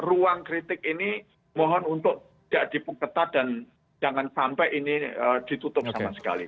ruang kritik ini mohon untuk tidak diperketat dan jangan sampai ini ditutup sama sekali